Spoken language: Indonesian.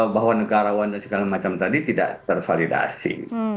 bahwa negarawan dan segala macam tadi tidak tervalidasi